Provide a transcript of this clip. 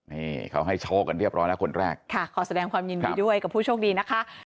นี่เขาให้โชคกันเรียบร้อยแล้วคนแรกค่ะขอแสดงความยินดีด้วยกับผู้โชคดีนะคะ